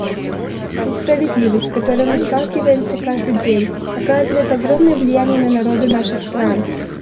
Несправедливость, с которой мы сталкиваемся каждый день, оказывает огромное влияние на народы наших стран.